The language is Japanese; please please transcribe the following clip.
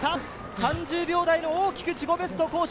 ３０秒台、大きく自己ベスト更新。